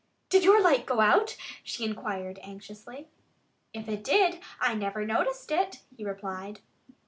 "Did your light go out?" she inquired anxiously. "If it did, I never noticed it," he replied.